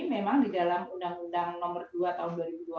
memang di dalam undang undang nomor dua tahun dua ribu dua puluh